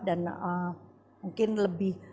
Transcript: dan mungkin lebih